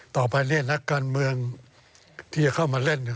ต่อไปเนี่ยนักการเมืองที่จะเข้ามาเล่นเนี่ย